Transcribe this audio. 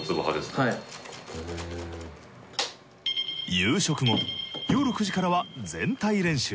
夕食後夜９時からは全体練習。